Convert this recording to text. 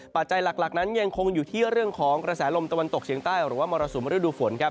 ปัจจัยหลักนั้นยังคงอยู่ที่เรื่องของกระแสลมตะวันตกเฉียงใต้หรือว่ามรสุมฤดูฝนครับ